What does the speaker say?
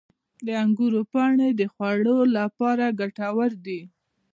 • د انګورو پاڼې د خوړو لپاره ګټور دي.